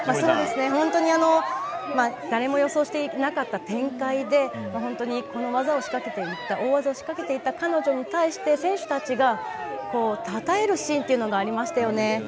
本当に誰も予想していなかった展開で本当にこの技を仕掛けていった大技を仕掛けていった彼女に対して選手たちが、たたえるシーンというのがありましたよね。